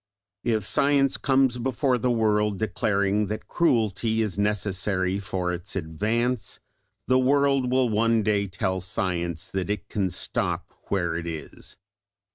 If Science comes before the world declaring that cruelty is necessary for its advance, the world will one day tell Science that it can stop where it is.